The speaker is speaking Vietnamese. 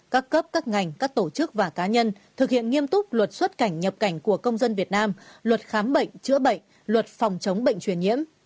các cấp các ngành các tổ chức và cá nhân thực hiện nghiêm túc luật xuất cảnh nhập cảnh của công dân việt nam luật khám bệnh chữa bệnh luật phòng chống bệnh truyền nhiễm